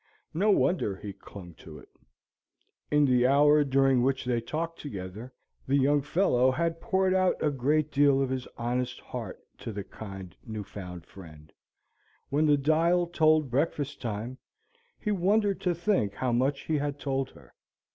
No wonder he clung to it. In the hour during which they talked together, the young fellow had poured out a great deal of his honest heart to the kind new found friend; when the dial told breakfast time, he wondered to think how much he had told her.